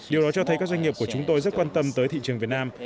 điều đó cho thấy các doanh nghiệp của chúng tôi rất quan tâm tới thị trường việt nam